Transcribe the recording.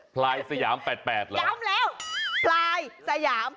พลายสยาม๘๘เหรอย้ำแล้วพลายสยาม